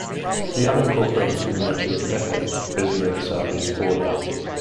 The unincorporated community of Deckard is near the southeast border.